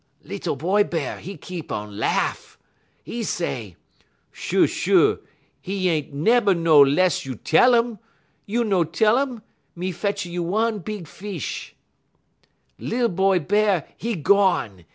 "Lil boy Bear, 'e keep on lahff. 'E say: "'Shuh shuh! 'E yent nebber know less you tell um. You no tell um, me fetch a you one big fish.' "Lil boy Bear, 'e gone!